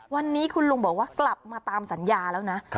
วันนี้คุณลุงบอกว่ากลับมาตามสัญญาแล้วนะ